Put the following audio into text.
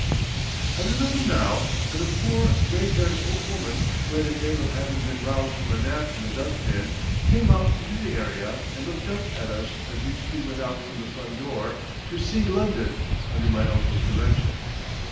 I remember now that a poor grey haired old woman who had an air of having been roused from a nap in the dust bin, came out into the area and looked up at us as we three went out from the front door to "see London" under my uncle's direction.